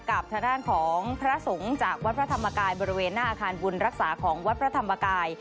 กับทางด้านของพระสงฆ์จากวัดพระธรรมกายบริเวณหน้าอาคารบุญรักษาของวัดพระธรรมกาย